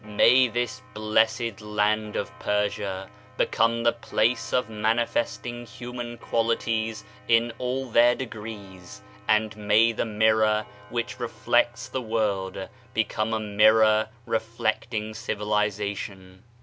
May this blessed land of Persia become the place of manifesting human qualities in all their degrees, and may the mirror which reflects the world become a mirror reflecting civilization.